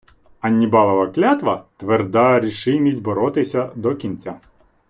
Аннібалова клятва — тверда рішимість боротися до кінця